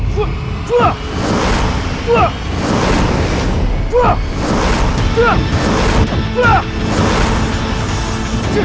kau yang menyebabkan putraku menjadi seperti ini